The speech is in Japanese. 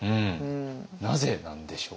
なぜなんでしょう？